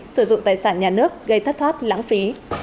sử dụng tài sản nhà nước gây thất thoát lãng phí